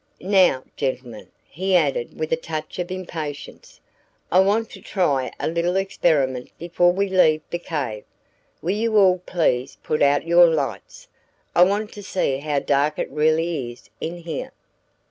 Now, gentlemen," he added with a touch of impatience, "I want to try a little experiment before we leave the cave. Will you all please put out your lights? I want to see how dark it really is in here."